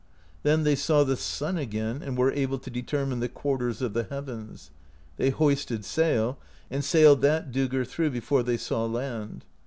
Then they saw the sun again, and were able to determine the quarters of the heavens ; they hoisted sail, and sailed that "doegr" through before they saw land.